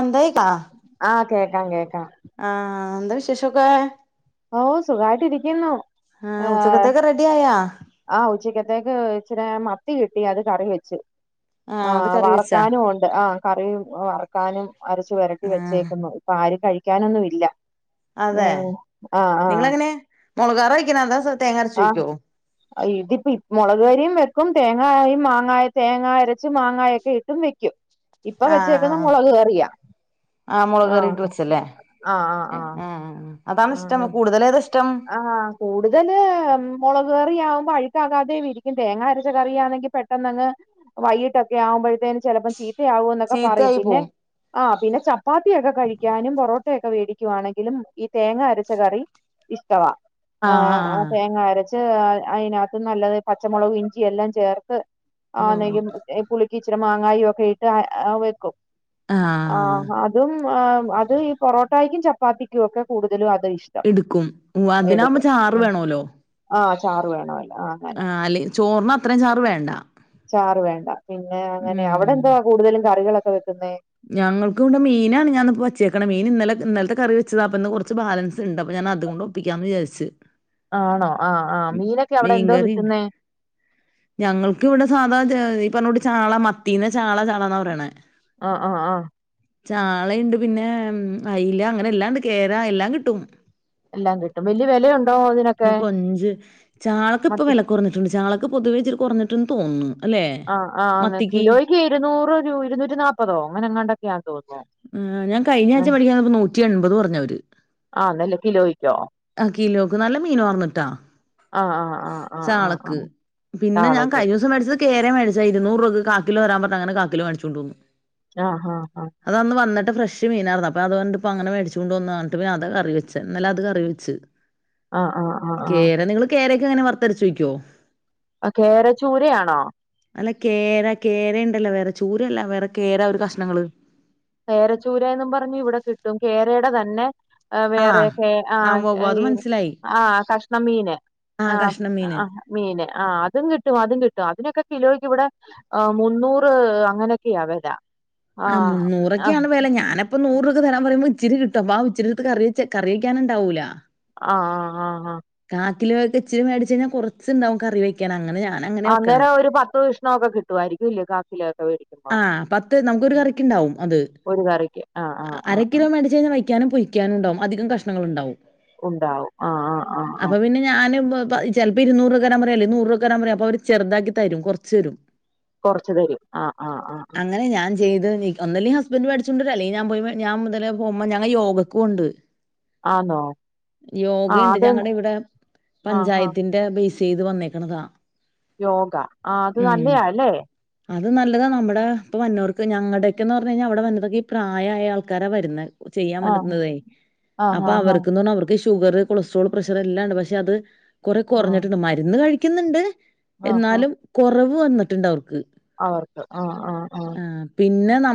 എന്തായി ട്ട ആഹ് കേക്കാം കേക്കാം ആ ആ ആ എന്താ വിശേഷൊക്കെ ഓ സുഖവായിട്ടിരിക്കുന്നു. ആ ഉച്ചക്കത്തേക്ക് റെഡി ആയാ ആ ഉച്ചയ്ക്കത്തൊക്കെ ഇച്ചരെ മത് ത്തി കിട്ടി അത് കറി വെച്ചു ആ അത് കറി വെച്ചാ വറക്കാനും ഒണ്ട് ആ കറിയും വറ ക്കാനും അരച്ചു വരട്ടി ആ വച്ചേക്കുന്നു ഇപ്പൊ ആരും കഴി ഇക്കാനൊന്നുമില്ല മ്മ് നിങ്ങളെങ്ങനയ മെളക് കാർ എന്താ സർ ആഹ് ഇതിപ്പ മുളക് കറിയും വെക് ക്കും തേങ്ങയും മാങ്ങ തേങ്ങ അരച്ചും മാങ്ങ ഒക്കെ ഇട്ടും വയ്ക്കും ഇപ്പൊ ആ ആ വെച്ചേകുന്നേ മുളക് കറിയാ ആ മുളക് ആഹ് കറിയിട്ട് വെച്ചല്ലേ ആഹ് ആഹ് ആഹ് ആ അതാണ് ഇഷ്ടം കുടുതലേതാ ഇഷ് ആഹ് കൂടുതൽ മൊളക് കറി ളക് കറിയാവുമ്പം അഴുക്കകാതേയം ഇരിക്കും തേങ്ങ അരച്ച കറിയാണെങ്കിൽ പെട്ടെന്ന് അന്നങ്ങ് വൈകീട്ടൊക്കെ ആകുമ്പഴത്തേൻ ചിലപ്പ ചീത്ത ചീത്തആവും എന്നൊക്കെ പറയും ചീത്തയായി പിന്നെ പോവും ആ പിന്നെ ചപ്പാത്തിയൊക്കെ കഴിക്കാനും പൊറോട്ടൊക്കെ വേടിക്കുവാണെങ്കിലും ഈ തേങ്ങ അരച്ച കറി ഇഷ് തവാ ആഹ് ആ തേങ്ങ അരച് [unintelligible] അയിനാത്ത് നല്ലത് പച്ചമുളക് ഇഞ്ചി എല്ലാം ചേർത്ത് ആ ഉവ്വ് ഉവ്വ് നെങ്ക പുളിക്കിച്ച് ഇത്തിര മാങ്ങായും ഒക്കെ ഇട്ട് വെക്കും ആ ആഹ് അതും ആഹ് അത് ഈ പൊറൊട്ടായ്ക്കും ചപ്പാത്തിക്കും ഒക്കെ കൂടുതലും ആ എടുക്കും വ അതിനാകുമ്പോ ചാറ് ആ വേണോല്ലോ ആഹ് ചാറ് വേണമല്ലോ ആഹ് അങ്ങനെ ആ അല്ല ചോറിന് അത്രയും ചാറ് വേണ്ട ചാറ് വേണ്ട പിന്നെ അങ്ങനെ അവിടെ ഉം എന്താവാ കൂടുതലും കറികളൊ വെക്കുന്നെ ഞങ്ങൾക്ക് ഇവിടെ മീനാണ് ഞാൻ ഇപ്പോ വച്ചേക്കണ മീൻ ഇന്നലെ ഇന്നലത്തെ കറി വെച്ചതാ അപ്പന്ന് കുറച്ച് ബാലൻസ് ഉണ്ട് അപ്പൊ ഞാൻ അതുകൊണ്ട് ഒപ്പിക്കാന്ന് വിചാരിച്ചു ആണോ ആഹ് ആഹ് മീനൊക്കെ അവിടെ എന്തോ മീൻകറിണ്ട് കിട്ടുന്നേ ഞങ്ങൾക്ക് ഇവിടെ സാധാ [unintelligible] ഇപ്പറഞ്ഞൂട്ട് ചാള മത്തീന് ചാള ചാളാന്ന പറയണെ ആഹ് ആഹ് അ ചാളയുണ്ട് പിന്നെ അയല അങ്ങനെ എല്ലാംണ്ട് കേരാ എല്ലാം കിട്ടും എല്ലാം കിട്ടും വലിയ വിലയോ പിന്നെ കൊഞ്ച് ചാളക്കിപ്പ മത്തി വിലക്കുറഞ്ഞിട്ടുണ്ട് ചാള പൊതുവേച്ചിരി കെറഞ്ഞട്ടണ്ട്ന്ന് തോന്നുന്നു അല്ലേ? ആഹ് ആ ആങ് മത്തിക്ക് കിലോയ്ക്ക് ഇരുന്നൂറ് രൂ ഇരൂറ്റി നാല്പ്പതോ അങ്ങനെ എങ്ങാണ്ടൊക്കെയാ തോന്നുന്നു ആ ഞാൻ കഴിഞ്ഞ ആഴ്ച ഉം മേടിക്കാൻ ചെന്നപ്പം നൂറ്റി എൺപത് പറഞ്ഞവര് ആന്നല്ലേ കിലോയ്ക്കോ ആ കിലോക്ക് നല്ല മീൻ വർന്നിട്ടാ ആഹ് ആഹ് ആഹ് ആഹ് ആഹ് ചാളക്ക് ആഹ് പിന്നെ ഞാൻ താളയ്ക്ക് കഴിഞ്ഞ ദിവസം മേടിച്ചത് കേ കേര മേടിച്ച ഇരുന്നൂറ് രൂപക്ക് കാക്കിലോ തരാൻ പറഞ്ഞ അങ്ങനെ കലക്കിലോ മേിച്ചോണ്ട് വന്നു ആഹ ആഹ് ആഹ് അതന്ന് വന്നിട്ട് ഫ്രഷ് മീനായിരുന്നു അപ്പ അതുവന്നിട്ട് പിന്നങ്ങനെ മേടിച്ചോണ്ട് എന്നിട്ട് പിന്നെ അതെ കറി വച്ചു ഇന്നലെ അത് കറി വെച്ച് ആഹ ആഹ് ആഹ ആഹ തങ്ങനെ വറത്തരച്ചു വയ്ക്കുവോ ആ കേര ചൂരയാണോ അല്ല കേര കേരയിണ്ടല്ലോ വേറെ ചൂരയല്ല വേറെ കേര ഒരു കഷണ്ണങ്ങള് കേരച്ചൂരേന്നും പറഞ്ഞു ഇവിടെ കിട്ടും കേരേടെ തന്നെ ആ ആഹ് വേറെയൊക്കെ ആ ആഹ് ഉവ്വ് ഉവ്വ് അത് ഈ മനസ്സിലായി ആ കഷണം മീന് ആ ആഹ് കഷ്ണം മീന് ആ മീന് ആ അതും കിട്ടും അതും കിട്ടും അതിനൊക്കെ കിലോ ഇവിടെ മുന്നൂറ് അങ്ങനൊക്കെയ്യാ വെല ആ നൂറോക്കെയാണ് വില ഞാനപ്പ നൂറ് തരാപ്പറയൂമ്പ ഇച്ചിരി കിട്ടും ആ ഇച്ചിരിടുത്ത് കറിവച്ച് കറിവക്കാനുണ്ടാവൂലാ. ആ ആ ആ ആ കാക്കിലോക്കെ ഇച്ചിരി മേടിച്ച് കഴിഞ്ഞൽ കുറച്ചുണ്ടാവും കറി വെക്കാന് അങ്ങനെ ഞാൻ അന്നേരം ഒരു പത്തു വിഷ്ണമൊക്കെ കിട്ടുവായിരിക്കുല്ലേ കാ [unintelligible] ആ പത്ത് നമുക്കൊരു കറിക്കുണ്ടാവും അത് ഒരു കറിക്ക് ആഹ് ആഹ് അര ആഹ് കിലോ ആഹ് മേടിച്ചു കഴിഞ്ഞാ വയ് ക്കാനും പൊരിക്കാനുണ്ടാവും അധികം കഷണങ്ങൾ ഉണ്ടാവും. ഉണ്ടാവും ആ ആ ആ ആ പ ചിലപ്പോ ഇരുന്നൂറ് തരാൻ പ അല്ലേ നൂർരുപയ്ക്ക് തരാൻ പറയും അപ്പ അവരെ ചെറുതാക്കി തരും. കുറച്ച് തരും കൊറച്ചു തരും ആഹ് ആഹ് ആഹ് അങ്ങനെ ഞാൻ [unintelligible] ഒന്നൂല്ലെങ്കി ഹസ്ബന്റ് മേടിച്ചോണ്ടരും അല്ലെങ്കി ഞാൻ പോയി ഞാനതിലെ പോകുമ്പം ഞങ്ങള് യോഗയ്യ്ക്കു പോണണ്ട് ആന്നോ ആഹ് യോഗയുണ്ട് അത് ഞങ്ങടെ ഇവിടെ ആഹ് ആഹ് പഞ്ചായത്തിന്റെ ബേസ് ചെയ്തു വന്നേക്കണതാ യോഗ ആഹ്‌ അത് ഉം നല്ലയാ അല്ലേ അത് നല്ലതാ നമ്മുടെ ഇപ്പൊ വന്നോർക്ക് ഞങ്ങടെക്കെന്ന് പറഞ്ഞ് കഴിഞ്ഞാ അവിടെ വന്നതൊക്കെ ഈ പ്രായായ ആൾക്കാരാ വരുന്നേ ചെയ്യാൻ ആഹ് പറ്റുന്നതെ ആഹ് അപ്പൊ ആഹ് അവർക്ക്ന്ന് പറഞാ അവർക്ക് ഇഷ്ട ഷുഗറ് കൊളസ്ട്രോള് പ്രഷറെല്ലാം ഇണ്ട് പക്ഷെ അത് കുറെ ആഹ് ആഹ് കൊറഞ്ഞിട്ടുണ്ട് മരുന്ന് കഴി ക്കുന്നിണ്ട് ആഹ് ആഹ് എന്നാലും കൊറവ് വ് വന്നിട്ടുണ്ടവർക്ക് അവർക്ക് ആഹ്‌ ആഹ് ആഹ്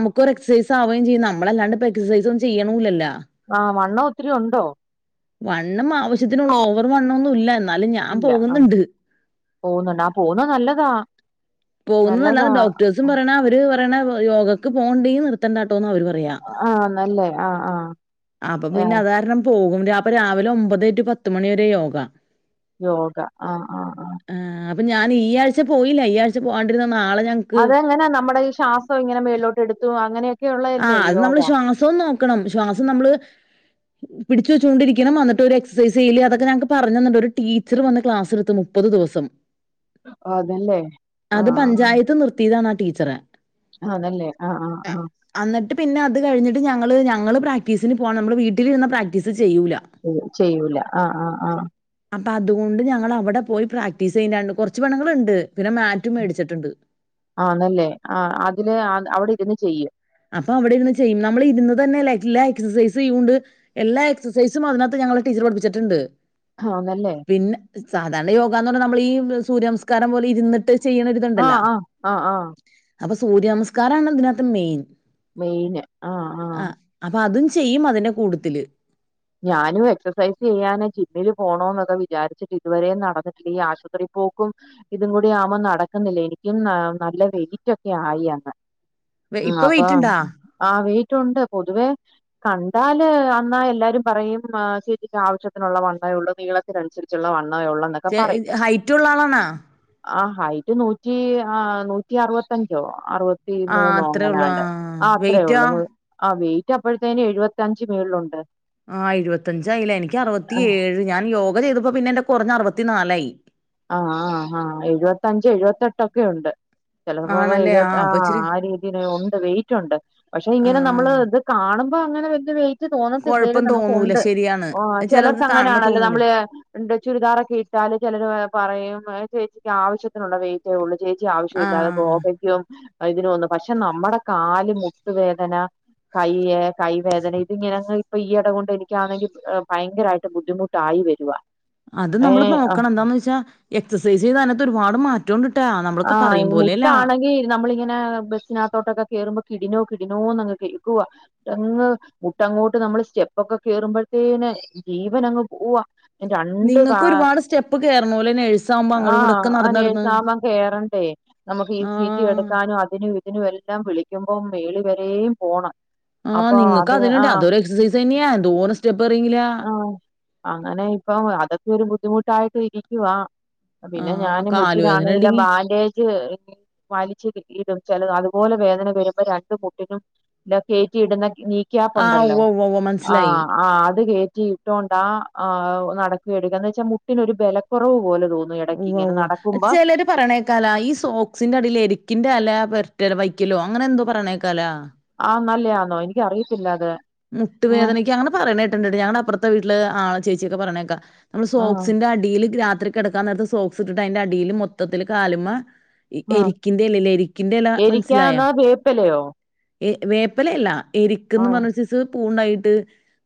മുക്കൊരു എക്സൈസ് ആവുകയും ചെയ്യും നമ്മളല്ലാണ്ട് ഇപ്പോ എക്സൈസും ചെയ്യണുല്ലല്ലോ ആഹ് വണ്ണ ഒത്തിരി ഉണ്ടോ വണ്ണം ആവശ്യത്തിനുള്ള ഓവർ വണ്ണൊന്നും ഇല്ല എന്നാലും ഞാൻ ഇല്ല ആഹ്‌ പോകുന്നുണ്ട് പോവുന്നുണ്ട ആഹ്‌ പോവുന്ന നല്ലതാ പോകുന്നത് നല്ലതാ നല്ലാന്ന് ഡോക്ടേഴ്സും പറയണ അവര് യോഗക്ക് പോപ്ണ്ടെങ്കി നിർത്തണ്ടട്ടോന്ന് അവർ പറ പ്പിയ ആഹ് നല്ലേ ആഹ് ആഹ് അപ്പ പിന്നെ ആഹ് അതാര്ണം പോകു അപ്പൊ രാവിലെ ഒമ്പത് റ്റു പത്ത് മണി വരെ യോഗ യോഗ ആഹ് ആഹ് ആഹ് അപ്പ ഞാൻ ഈ ആഴ്ച പോയില്ല ഈ ആഴ് പോആണ്ടിര്ന്ന- അതെങ്ങനെ നമ്മുടെ ഈ ശ്വാസം ഇങ്ങനെ മേലിലോട്ട് എടുത്തു അങ്ങനെ ആഹ് അത് നമ്മള് ശ്വാസം നോക്കണം ശ്വാസം നമ്മള് പിടിച്ച് വെച്ചൊണ്ടിരിക്കണം എന്നട്ട് ഒര് എക്സസിസ് ചെയ്യാല് അതൊക്കെ ഞങ്ങക്ക് പറഞ്ഞന്നണ്ട് ഒരു ടീച്ചർ വന്ന് ക്ലാസ്ടുത്ത് മുപ്പത് ദിവസം അതല്ലേ ആഹ് ടീച്ചറ ആന്നല്ലേ ആഹ് ആഹ് ആഹ് എന്നിട്ട് പിന്നെ അത് കഴിഞ്ഞിട്ട് ഞങ്ങള് ഞങ്ങള് പ്രാക്ടീസിന് പോണു നമ്മള് വീട്ടിൽ വുന്ന പ്രാക്ടീസ് ചെയ്യൂല. ചെയ്യൂല ആഹ് ആഹ് ആഹ് അപ്പ അതുകൊണ്ട് ഞങ്ങൾ അവിടെ പോയി പ്രാക്ടീസ് ചെയ്യണ്ട് കുറച്ചു പെണ്ണുങ്ങളുണ്ട് പിന്നെ മാറ്റും മേടിച്ചിട്ടുണ്ട് ആനല്ലേ ആ അതില് അവിടെ ഇരുന്ന് ചെയ്യും അപ്പൊ അവിടെ ഇരുന്നു ചെയ്യും നമ്മൾ ഇരുന്ന് തന്നെല്ല എല്ലാ എക്സസൈസും ചെയ്യണ്ട് എല്ലാ എക്സസൈസും അതിനകത്ത് ഞങ്ങള ടീച്ചർ പഠിപ്പിച്ചിട്ടുണ്ട് ആഹ്ന്നല്ലേ പിന്നെ സാധാരണ യോഗ എന്ന് പറഞ്ഞൽ നമ്മള ഈ സൂര്യമസ്കാരം പോലെ ഇരുന്നട്ട് ആ ആ ആ ആഹ് അപ്പൊ സൂര്യനമസ്കാരമാണ് തിനകത്ത് മെയിൻ മെയിന് ആ ആ അപ്പൊ അതും ചെയ്യും അതിന്റെ കൂടുത്തില് ഞാനും എക്സസൈസ് ചെയ്യാന് ജിമ്മില് പോണോ എന്നൊക്കെ വിചാരിച്ചിട്ട് ഇതുവരെ നടന്നിട്ടില്ല ഈ ആശുപത്രി പോക്കും ഇതും കൂടി ആവുമ്പോം നടക്കുന്നില്ല എനിക്കും നല്ല വെയിറ്റ് ഒക്കെ ആയി എന്ന് ആ ഇപ്പൊ അപ്പ വെയിറ്റ് ഇണ്ടാ ആ വ റ്റൊണ്ട് പൊതുവേ കണ്ടാല് അന്നാഎല്ലാരും പറയും [unintelligible] ന്ന ചേച്ചിക്ക് ആവശ്യത്തിനുള്ള വണ്ണേ ഉള്ളൂ നീളത്തിനുസരിച്ചുള്ള വണ് ചെ [unintelligible] ഹൈറ്റ് ഉള്ള ആളണാ ആ ഹൈറ്റ് നൂറ്റി ആ നൂറ്റി അറുപത്തഞ്ചോ ഹ് അറുപത്തി ആ മൂന്നോ അത്രേ ഉള്ളൂ ആ അങ്ങനാണ്ട് ആ വെയിറ്റോ അത്രേള്ളൂ [unintelligible] കു ആ വെറ്റ് റ്റപ്പോത്തേന് എഴുപത്തി അഞ്ച് മേലുണ്ട് ആ ഇരുപത്തിഅഞ്ചായില്ലേ എനിക്ക് ആഹ് അറുപത്തിയഏഴ് ഞാൻ യോ [unintelligible] നിടുമ്പം എന്റെ കുറഞ്ഞഅറുപത്തി നാലായി ആ ആ ആഹ് എഴുവത്തഞ്ച് എഴു വത്തെട്ടൊക്കെ ഉണ്ട് ചെല [unintelligible] പ്പോ ആണല്ലേ ഇത് ആ അപ്പൊ ഇച്ചിരി ആ രീതിൽ ഉണ്ട് വെയിറ്റുണ്ട് പക്ഷെ ആ ഇങ്ങനെ നമ്മൾ ഇത് കാണും ഇപ്പൊ അങ്ങനെ വല്യ വെയിറ്റ് [unintelligible] തോന്നത്തില്ലേലും കൊഴപ്പം നമുക്ക് തോന്നൂല ഉണ്ട് ശരിയാണ് ആഹ് ചെലർക്ക് ചിലർക്ക് കാണുമ്പോ അങ്ങനെയാണല്ലോ തോന്നൂല നമ്മള് ചുരിദാറൊക്കെ ഇട്ടാല് ചിലർ പറയും ആ ചേച്ചിക്ക് ആവശ്യത്തിനുള്ള വെയിറ്റെ ഉള്ളൂ ചേച്ചി ആവശ്യ ആ ഇല്ലാതെ പോവാൻ പറ്റോ അതിന് ഒന്ന് പക്ഷെ നമ്മ്ടെ കാല് മുട്ട് വേദന കയ്യ് കൈ വേദന ഇത് ഇങ്ങനെ അങ്ങ് ഈയിട കൊണ്ട് എനിക്കാണെങ്കിൽ ഭയങ്കരായിട്ട് ബുദ്ദിമുട്ടായി വരുവാ അത് നമ്മള് ഏഹ് നോക്കണം എന്താന്ന് വെച്ചാ എക്സൈസ് ചെയ്‌ത അതിനാത് ഒരു പാ രുപാട് മാറ്റണ്ട്ട്ടാ ആ മുട്ടാണെൻഗി നമ്മളിങ്ങനെ ബസ്സിനകത്തോട്ടൊക്കെ കേറുമ്പോ കിടിനോ കിടിനോന്നങ്ങ് കേക്കുവാ ങ്ങ് മുട്ടങ്ങോട്ട് നമ്മള് സ്റ്റെപ്പൊക്കെ കേറുമ്പോഴത്തേന് ജീവനങ്ങ് പോവാ രണ്ട് കാ നിങ്ങക്ക് ഒരുപാട് സ്റ്റെപ്പ് കേറണോല്ലേ നേഴ്സാകുമ്പോ ആഹ് അങ്ങട്ടുംഇങ്ങട്ടുമൊക്കെ ആ നടന്ന് നടന്ന് നേഴ്സാമ്മ കേറണ്ടേ നമുക്ക് ഈ സി ജി ആഹ് എടുക്കാനും അതിനും ഇതിനും എല്ലാം വിളിക്ക ക്കുബം മേളി വരേയും പോണം ആ അപ്പൊ നിങ്ങക്ക് അത് അതിനുണ്ട് ആഹ് അതൊരു എക്സൈസ് തന്നെയാ എന്തോര പറങ്കിലേ ആഹ് അങ്ങനെ ഇപ്പൊ അതൊക്കെ ഒരു ബുദ്ധിമുട്ടായിട്ട് ഇരിക്കവാ പിന്നെ ആഹ് ഞാൻ കാല് വേദന മുട്ടിനാണേൽ ഉണ്ടെങ്കി ബാൻഡേജ് ഹ് വലിച്ച് ഇടും ചിലവർ അതുപോലെ വേദന വരുമ്പോ രണ്ട് മുട്ടിനും കേറ്റിടുന്ന ആഹ് നീക്കിയാപ്പ്ണ്ടല്ലോ ഉവ്വ ഉവ്വ ഉവ്വ ആ മനസ്സിലായി ആ അത് കേ ചീട്ടൊണ്ടാ ആ നടക്കിയെടുക്ക് എന്ന്വെച്ച മുട്ടിനൊരു ബലക്കുറവ്പോലും ഉവ്വ് ഉവ്വ് ചെലർ പറയണ കേക്കാലോ ഈ സോക്സിന്റെ അടിൽ എരിക്കിന്റെ യെല വരട്ടെ വെക്കലോ അങ്ങനെ എന്തോ പറണ്കേൾക്കാലോ ന്നല്ലയാന്നോ എനിക്ക് അറിയത്തില്ല അത് ഏഹ് മുട്ടുവേദനയ്ക്ക് അങ്ങനെ പറയണ്കേ ണ്ട് ഞങ്ങള അപ്പുറത്തെ വീട്ടിൽ ആളെ ചേച്ചിക്കെ പറണ് കേക്ക നമ്മൾ ആഹ് സോക്സിന്റെ അടിയിൽ ഗ്ര ത്രി കിടക്കാൻ നേരത്ത് സോക്സ് ഇട്ടിട്ട് അതിന്റെ അടിയിൽ മൊത്തത്തില് കാലുമ്മേ ആഹ് എരിക്കിന്റെ ഇല ഇല്ലേ എരിക്കിന്റെ എല മനസ്സിലായ എരിക്കാന്നോ വേപ്പിലയോ ഏ വേപ്പിലയല്ല എരിക്കെന്നു ആഹ് പറഞ്ഞ് ഒരു സൈസ് പൂണായിട്ട്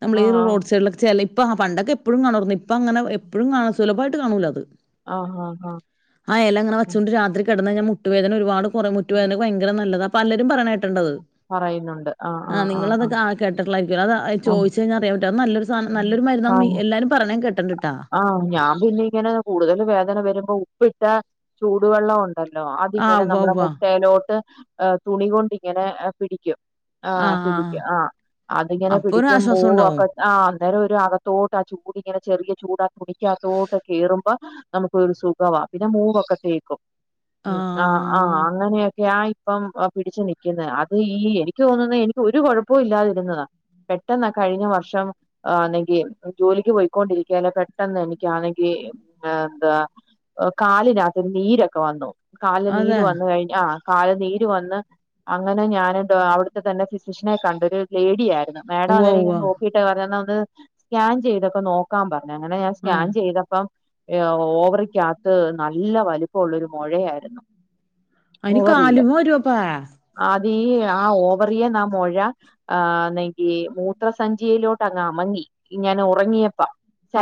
നമ്മള് ഈ ആഹ് റോഡ് സൈഡിലൊക്കെ ചെലയിം ഇപ്പ ആ പണ്ടൊക്കെ എപ്പോഴും കാണാറുന്നു ഇപ്പ അങ്ങനെ എപ്പഴും കാണും സുലഭായിട്ട് കാണൂല്ല അത് ആഹ് ആഹ് ആഹ് ആ എലങ്ങനെ ആഹ് വച്ചൂണ്ട് രാത്രി കിടന്നാഞാ മുട്ടുവേദന ഒരുപാട് പുറമുറ്റു വേദനക്ക് ഭയങ്കര നല്ലതാ പലരും പറണെകേ പറയുന്നുണ്ട് ആ ആ ആ ആ കേട്ട്ട്ട് ള്ളായി [unintelligible] അത് ചോയിച്ച് കയിഞ്ഞ അറിയാൻ പറ്റും അത് നല്ലൊരു സ് [unintelligible] നല്ലൊരു മരുന്നാന്ന് ആഹ് എല്ലാരും പറ [unintelligible] കേട്ടണ്ട് ആഹ് ഞാൻ പിന്നെ ഇങ്ങനെ കൂടുതൽ വേദന വരുമ്പോ ഉപ്പിട്ട ചൂടുവെള്ളം ഒ ണ്ടല്ലോ ആഹ് അതിങ്ങനെ ഉവ്വ നമ്മുടെ ഉവ്വ മുട്ടയിലോട്ട് ഏഹ് തുണി കൊണ്ട് ഇങ്ങനെ പിടിക്കും ആഹ് പിടിക്കും ആ അതിങ്ങനെ അപ്പൊ ഒരു പിടിക്കാൻ ആശ്വാസം ഉണ്ടാവും മൂവൊക്കെ ആ അന്നേരം ഒരു അകത്തോട്ട് ആ ചൂടിങ്ങനെ ചെറിയ ചൂട് ആ തുണിക്കാത്തോട്ട് കേറുമ്പ [unintelligible] നമുക്ക് ഒരു സുഖവാ പിന്നെ മൂവൊക്കെ തേക്കും ഉം ആഹ് ആഹ് അങ്ങനെയൊക്കെ ആയി ഇപ്പം പിടിച്ചു നിക്കുന്നെ അത് ഈ എനിക്ക് തോന്നുന്നെ എനിക്ക് ഒരു കുഴപ്പവും ഇല്ലാതിരുന്നതാ പെട്ടെന്ന കഴിഞ്ഞ വർഷം ആന്നെങ്കി ജോലിക്ക് പോയ്ക്കൊണ്ടിരി [unintelligible] പെട്ടെന്ന് എനിക്കാണെങ്കിൽ ഏഹ് എന്താ കാലിനകത്ത് നീരൊക്കെ വന്നു കാലില് നീര് അതെ വന്നു കഴിഞ്ഞു ആ കാല് നീര് വന്ന് അങ്ങനെ ഞാനൻ അവിടുത്തെ തന്നെ ഫിസിഷ്യനെ കണ്ടൊരു ലേഡി ആയിരു ന്ന് മാഡം ഉവ്വ അതുവരെങ് ഉവ്വ നോക്കീട്ട് പറനം ത് സ്കാൻ ചെയ്തപ്പോ നോ കാമ്പാർ അങ്ങനെ ഞാൻ ആഹ് സ്കാൻ ചെയ്തപ്പം എ ഓവറിക്കാത്ത് നല്ല വലുപ്പ ള്ളൊരു മൊഴയായിരുന്നു അയിന് കാലുമ്മേ വരുപ്പാ ീ [unintelligible] ആ ഓവറിയിന്ന് മൊഴ ആ നീയ്യ് മൂത്രസഞ്ചിയിലങ്ങോട്ട് അമങ്ങി ഇങ്ങനെ ഉറങ്ങിയപ്പ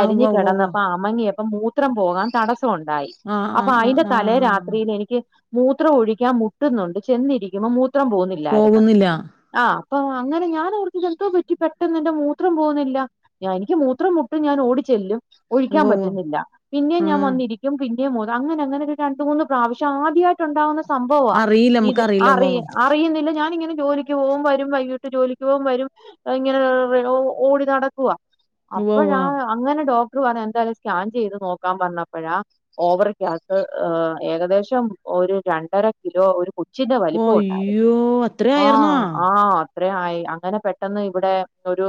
ആഹ് ഉവ്വ ഉവ്വ കിടന്ന ഉവ്വ അപ്പ അമങ്ങി ഇപ്പം മൂത്രം പോകാൻ തടസ്സം ഉണ്ടായി ആഹ് അപ്പൊ ആഹ് അതിന്റെ ആഹ് തലേ ആഹ് രാത്രിയിൽ എനിക്ക് മൂത്രം ഒഴിക്കാൻ മുട്ടുന്നുണ്ട് ചെന്നിരിക്കുമ്പോ മൂത്രം പോവുന്നില്ലായിരുന്നു പോകുന്നില്ല ആഹ് അപ്പൊ അങ്ങനെ ഞാൻ ഓർത്തു ഇതെന്തോ പറ്റി പെട്ടെന്ന് എന്റെ മൂത്രം പോകുന്നില്ല ഞാൻ എനിക്ക് മൂത്രം ഞാൻ ഓടിച്ചെല്ലും ഒഴിക്കാൻ ഉവ്വ ഉവ്വ പറ്റുന്നില്ല പിന്നേം ഞാൻ ആഹ് വന്നിരിക്കും ഉം അങ്ങനെ അങ്ങനെ ഒരു രണ്ടു മൂന്ന് പ്രാവശ്യം ആദ്യമായിട്ടുണ്ടാവുന്ന സംഭവ അറിയില്ല ഇത് നമുക്കറിയില്ല ഉവ്വ അറി ഉവ്വ അറിയുന്നില്ല ഞാനിങ്ങനെ ജോലിക്ക് പോവും വരും വൈകീട്ട് ജോലിക്ക് പോവും വരും ഇങ്ങനെ ഓടി നടക്കുവാ ഉവ്വ അപ്പോഴാ അങ്ങനെ ഡോക്ട എന്തായാലും സ്കാൻ ചെയ്ത് നോക്കാൻ പറഞ്ഞപ്പഴാ ഓവറിക്കകത്ത് ഏകദേശം ഒരു രണ്ടര കിലോ ഒരു ഉച്ചിത ഉവ്വ വലിപ്പം ഉണ്ടായിരുന്നു അയ്യോ അത്ര ആ ആയിരുന്നാ ആ അത്രേം ആയി അങ്ങനെ പെട്ടെന്ന് ഇവിടെ ഒരു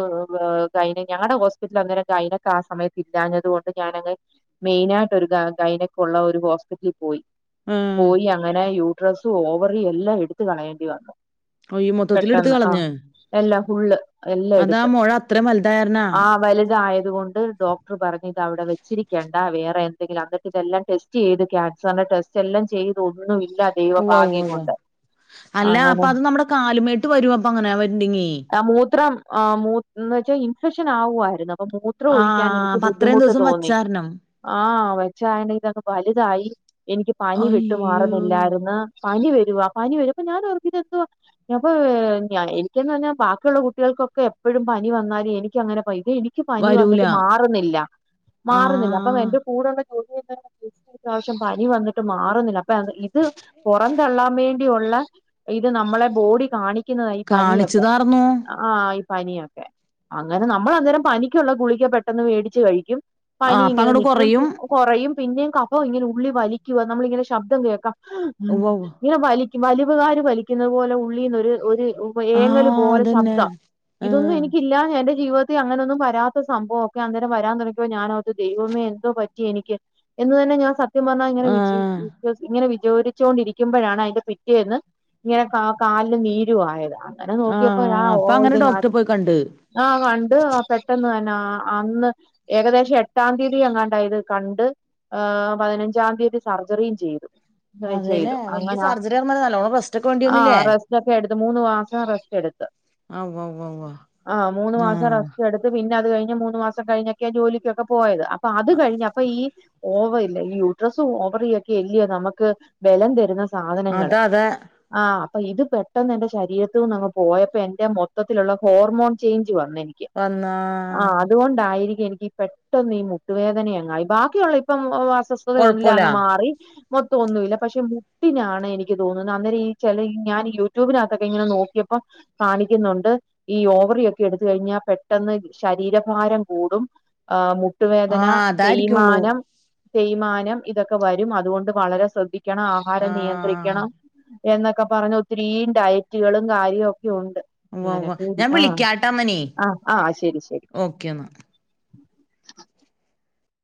ഗൈനി ഞങ്ങടെ ഹോസ് സ്പിറ്റിലന്നേരം ഗൈനക്ക് ആ സമയത്ത് ഇല്ലാഞ്ഞതു കൊണ്ട് ഞാനങ്ങ് മെയിനായിട്ട് ഒരു ഗ ഗൈനക്കുള്ള ഒരു ഹോസ്പിറ്റലിൽ പോയി ആഹ് പോയി അങ്ങനെ യൂ ഡ്രസ്സും ഓവറിയും എല്ലാം എടുത്ത് കളയേണ്ടി വന്നു അയ്യോ മൊത്തത്തില് ഇടുത്ത് പെട്ടെന്ന് ആഹ് കളഞ്ഞ് എല്ലാം ഫുള്ള് എല്ലാം അതാ എടുത്ത് മൊഴ അത്രേം വലുതായരണാ ആയതുകൊണ്ട് ഡോക്ടർ പറഞ്ഞ ഇതവിടെ വെച്ചിരിക്കേണ്ട വേറെ എന്തെങ്കിലും അന്നിട്ടിതെല്ലാം ടെസ്റ്റ് ചെയ്ത് ക്യാൻസറിന്റെ ടെസ്റ്റ് എല്ലാം ചെയ്ത് ഒന്നുമി ഉവ്വാ ഉവ്വാ ഉവ്വ അല്ല അങ്ങനെ അപ്പൊ അത് നമ്മുടെ കാലമേട്ട് വരും അപ്പ അങ്ങനെ വരുണ്ടെങ്ങി മൂത്രം ആ മൂ ന്നട്ട് ഇൻഫക്ഷൻ ആവുമായ്ര് പ്പം മൂത്രം ആ ഒഴിക്കാൻ എനിക്ക് അപ്പൊ അത്രയും ബുദ്ധിമുട്ട് ദിവസം തോന്നി വച്ചാരണം ആ വെച്ചാരണം തൊക്കെ വലുതായി എനിക്ക് പനി വിട്ടു അയ്യോ മാറുന്നില്ലായിരുന്നു പനി വെ വ പനി വരുമ്പോ ഞാനോർക്കും ഇതെന്തു വാ അപ്പൊ എനിക്കെന്ന് പറഞ്ഞാൽ ബാക്കിയുള്ള കുട്ടികൾക്കൊക്കെ എപ്പോഴും പനി വന്നാലും എനിക്ക് അങ്ങനെ പയ് എനി എനിക്ക് പനി വരൂല വന്നിട്ട് മാറുന്നില്ല ആ മാറുന്നില്ല അപ്പ എന്റെ കൂടെയുള്ള [unintelligible] പനി വന്നിട്ട് മാറുന്നില്ല ഇത് പുറന്തള്ളാൻ വേണ്ടി ഒള്ള ഇത് നമ്മളെ ബോഡി കാണി ക്കുന്നതാ ഈ പനിയൊക്കെ കാണിച്ചതാർന്നു അ ആ ഇ പനിയൊക്കെ അങ്ങനെ നമ്മൾ അന്നേരം പനി കുള്ള ഗുളിക്കപെട്ടെന്ന് വേടിച്ച് കഴിക്കും ആ പനി അപ്പൊ ഇങ്ങനെ അങ്ങോട്ട് നിക്കും പി കുറയും കുറയും പിന്നേം കഫം ഇങ്ങനെ ഉ പുള്ളി വലിക്കുക നമ്മളിങ്ങനെ ശബ്ദം കേൾക്കാം ഉവ്വ് ഉവ്വ്. ഇങ്ങ വലി വലിവുകാര് വലിക്കുന്ന പോലെ ഉള്ളിന്ന് ഒര് ഒര് ഉപ ആ ഏങ്ങൽ പോലെ അതന്നെ ശബ്ദം ആ ഇതൊന്നും എനിക്കില്ലാഞ്ഞേ എന്റെ ജീവിത നി അങ്ങനൊന്നും വരാ സംഭവം ഒക്കെ അന്നേരം വരാൻന്ന പ തുടങ്ങിയപ്പോ ഞാനോത് ദൈവമേ എന്തോ പറ്റി എനിക്ക് എന്ന് തന്നെ ഞാൻ സ ത്യം പറഞ്ഞാ ഇങ്ങനെ ആ വിജി വി ഇങ്ങനെ വി ചോദിച്ചോണ്ടിരിക്കുമ്പോഴാണ് അയ്ന്റെ പിറ്റേന്ന് ങ്ങനെ കാ കാലന് നീരു ആയത് അങ്ങനെ ആ നോക്കിയപ്പോ ദാ ഓ അപ്പൊ അങ്ങനെ ഡോക്ടറെ ഇതിനകത്ത് പോയി കണ്ട് ആ കണ്ട് മക നാ അന്ന് ഏകദേശം എട്ടാം തീയതി അങ്ങാണ്ട ഇത് കണ്ട് പതിനഞ്ചാം തീയതി സർജറിയും ചെയ്തു അതെല്ലേ ചെയ്തു വലിയ അങ്ങന സർജറി ആയിരുന്നല്ലോ നല്ലോണം റെസ്റ്റ് ഒക്കെ വേണ്ടി ആ വന്നില്ലേ റെസ്റ്റ് ഒക്കെ എടുത്ത് മൂന്ന് മാസം റെസ്റ്റ് എടുത്ത് ആ ഉവ്വ് ഉവ്വ് ഉവ്വ് ആ മൂന്ന് മാസം റസ്റ്റ് ആ എടു പിന്ന അത്കഴിഞ്ഞ് മൂന്ന് മാസം കഴിഞ്ഞൊക്കെ ജോലിക്ക് പോയത് പ്പൊ അത് കഴിഞ്ഞ അപ്പൊ ഈ ഓവർ ഇല്ല ഈ യൂട്രസും ഓവർ യക്കെ എല്ലിയ നമുക്ക് ബലം തരുന്ന സാധനങ്ങള് അതാ അതെ ആ അപ്പൊ ഇത് പെട്ടെന്ന് എന്റെ ശരീരത്ത്നങ്ങ്പോയപ്പോ എന്റെ മൊത്തത്തിലുള്ള ഹോർമോൺ ചേഞ്ച് [unintelligible] വന്ന എനിക്ക് വന്നാ ആ അതുകൊണ്ടായിരിക്കു എനിക്ക് ഈ പെട്ടന്ന് ഈ മുട്ടുവേദനയങ്ങായി ബാക്കിയുള്ള ഇപ്പം അസ്വസ്ഥതയില്ല കൊഴപ്പൂല അങ്ങ് മാറി മൊത്തം മെന്നുല്ല പക്ഷെ മുട്ടിനാണ് എനിക്ക് തോന്നുന്നത് അന്നേരം ഈ ചില ഞാൻ യൂട്യൂബിനകത്തൊക്കെ ഇങ്ങനെ നോക്കിയപ്പോ കാണിക്കുന്നുണ്ട് ഈ ഓവറൊക്കെ എടുത്ത കഴിഞ്ഞാൽ പെട്ടെന്ന് ശരീരഭാരം കൂടും [inaudible] മുട്ട് ആ മുട്ടുവേദന അതായിരിക്കുള്ളൂ തേയ്മാനം തേയ്മാനം ഇതൊക്കെ വരും അതുകൊണ്ട് വളരെ ശ്രദ്ധി ണം ആഹാരം ആ നിയന്ത്രിക്കണം എന്നൊക്കെ പറഞ്ഞ് ഒത്തിരീം ഡയറ്റുകളും കാര്യവും ഒ ക്യോണ്ട് ഉവ്വ അങ്ങനെ ഉവ്വ [unintelligible] ഞാൻ വിളിക്കാട്ടമ്മനേ ആ ആ ആ ശരി ശ ഓക്കെ എന്നാ